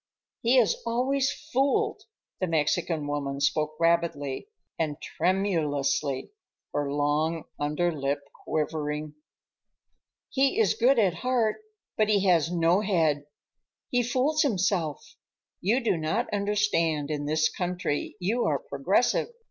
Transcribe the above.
"He is always fooled,"—the Mexican woman spoke rapidly and tremulously, her long under lip quivering. "He is good at heart, but he has no head. He fools himself. You do not understand in this country, you are progressive.